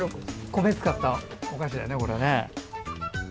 米使ったお菓子だよね、これ。